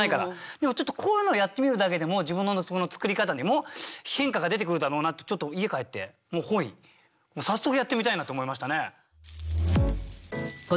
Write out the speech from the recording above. でもちょっとこういうのをやってみるだけでも自分の作り方にも変化が出てくるだろうなってちょっと家帰ってもう本意早速やってみたいなって思いましたね。